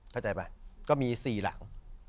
เข้าใจป่ะก็มี๔หลัง